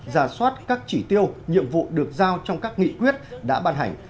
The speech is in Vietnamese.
giả soát các chỉ tiêu nhiệm vụ được giao trong các nghị quyết đã ban hành